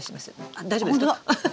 あ大丈夫ですか？